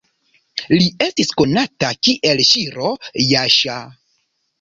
Li esti konata kiel Ŝiro-Jaŝa.